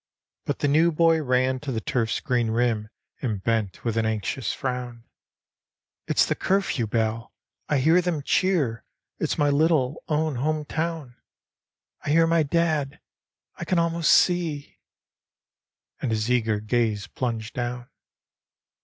But the new boy ran to the turf's green rim and bent with an anxious frown, —" It's the curfew bell! I hear them cheer! It's my little own home town! I hear my dad! I can almost see " and his eager gaze plunged down.